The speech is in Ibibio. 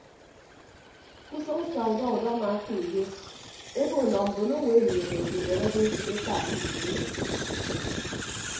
Ke usʌñ sa udọ udọma ke uyo ebo nọ mbonowo enieehe ndubehe do eka ke itie odo.